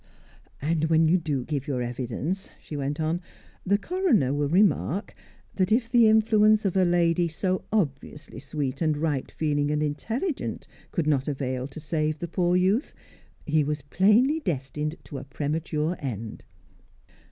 "And when you give your evidence," she went on, "the coroner will remark that if the influence of a lady so obviously sweet and right feeling and intelligent could not avail to save the poor youth, he was plainly destined to a premature end."